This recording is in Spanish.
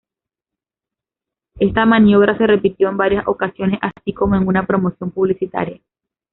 Esta maniobra se repitió en varias ocasiones, así como en una promoción publicitaria.